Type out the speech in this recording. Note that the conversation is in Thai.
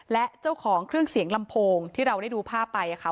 และเจ้าของเครื่องเสียงลำโพงที่เราได้ดูภาพไปค่ะ